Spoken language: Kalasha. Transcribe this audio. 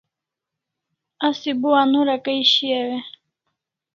Asi bo anora Kai shiau e?